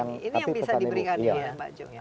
nah ini yang bisa diberikan ya mbak jom ya